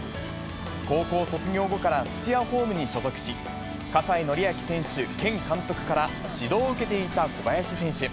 高校卒業後から、土屋ホームに所属し、葛西紀明選手兼監督から指導を受けていた小林選手。